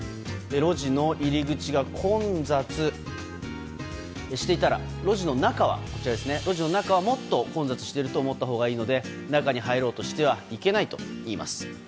路地の入り口が混雑していたら路地の中はもっと混雑していると思ったほうがいいので中に入ろうとしてはいけないといいます。